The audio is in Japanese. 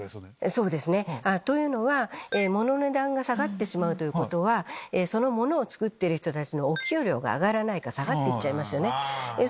そうですね。というのは物の値段が下がってしまうということはその物を作っている人たちのお給料が上がらない。